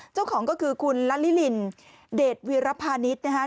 เจ้าของก็คือคุณละลิลินเดทวิรพานิษฐ์นะฮะ